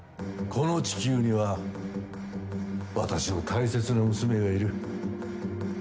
この地球には私の大切な娘がいる。